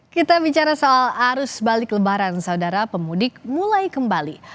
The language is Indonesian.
kita bicara soal arus balik lebaran saudara pemudik mulai kembali